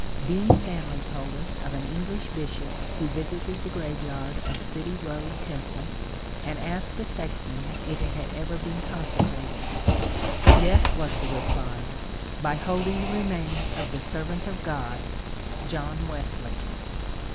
Dean Stanley told us of an English bishop who visited the graveyard of City Koad Temple and asked the sexton if it had ever been consecrated. ^* Yes," was the reply, by holding the remains of the servant of God, John Wesley."